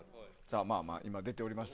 今出ております